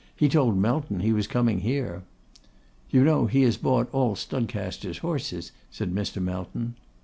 'He told Melton he was coming here.' 'You know he has bought all Studcaster's horses,' said Mr. Melton.